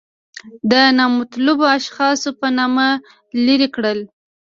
د نامطلوبو اشخاصو په نامه لرې کړل.